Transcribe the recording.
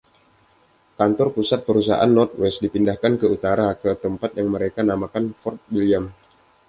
Kantor pusat Perusahaan North West dipindahkan ke utara, ke tempat yang mereka namakan Fort William.